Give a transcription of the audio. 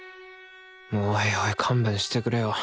おいおい勘弁してくれよ。